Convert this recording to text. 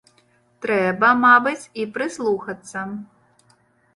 Трэба, мабыць, і прыслухацца.